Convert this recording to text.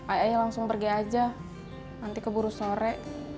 ai ai langsung pergi aja nanti keburu sore